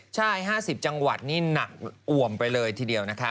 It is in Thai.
ใช่๕๐จังหวัดนี่หนักอ่วมไปเลยทีเดียวนะคะ